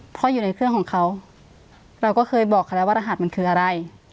เพราะอยู่ในเครื่องของเขาเราก็เคยบอกเขาแล้วว่ารหัสมันคืออะไร